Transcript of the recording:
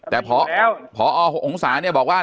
แต่พอองศาเนี่ยบอกว่า